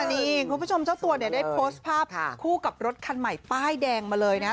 นี่คุณผู้ชมเจ้าตัวเนี่ยได้โพสต์ภาพคู่กับรถคันใหม่ป้ายแดงมาเลยนะ